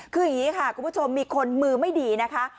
คืออย่างนี้ค่ะคุณผู้ชมมีคนมือไม่ดีนะคะ